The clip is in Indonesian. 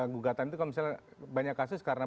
gugatan itu kalau misalnya banyak kasus karena